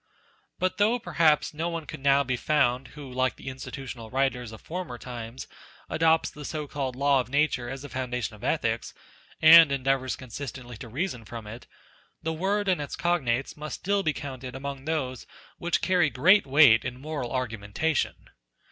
But though perhaps no one could now be found who like the institutional writers of former times, adopts the so called Law of Nature as the foundation of ethics, and endeavours consistently to reason from it, the word and its cognates must still be counted among those which carry great weight in moral argumenta tion.